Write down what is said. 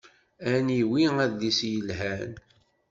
Aniwi adlis i yelhan?